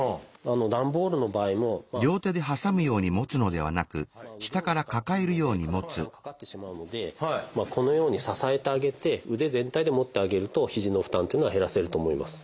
段ボールの場合もまあこのように持つと腕を使ってるのでかなり負担かかってしまうのでこのように支えてあげて腕全体で持ってあげると肘の負担っていうのは減らせると思います。